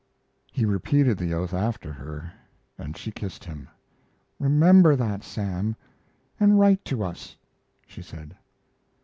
He repeated the oath after her, and she kissed him. "Remember that, Sam, and write to us," she said.